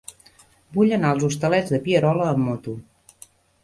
Vull anar als Hostalets de Pierola amb moto.